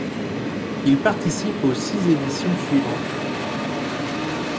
Il participe aux six éditions suivantes.